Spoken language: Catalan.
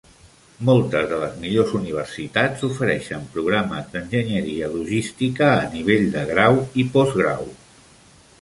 Moltes de les millors universitats ofereixen programes d'Enginyeria logística a nivell de grau i postgrau.